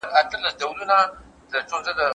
د کور زېرمتون وچ وساتئ.